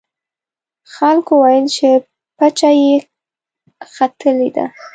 خلکو ویل چې پچه یې ختلې ده.